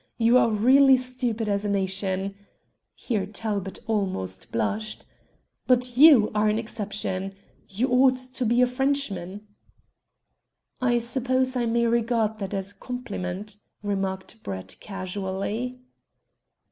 You are really stupid as a nation" here Talbot almost blushed "but you are an exception. You ought to be a Frenchman." "I suppose I may regard that as a compliment?" remarked Brett casually.